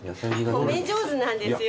褒め上手なんですよ。